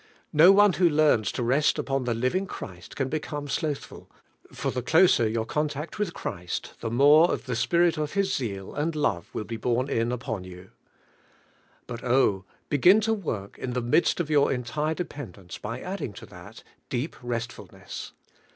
No one who learns to rest open the Living Christ can become slothful, for the closer your con tact Willi Christ the more of the Bpiril n[ Mis zeal and love will be borne in uji on yon. But oh! begin to work in the midst of yonr entire dependence by add Ins to that, deep res'tfulnesE.